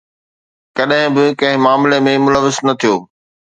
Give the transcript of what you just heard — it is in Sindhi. ڪڏهن به ڪنهن به معاملي ۾ ملوث نه ٿيو.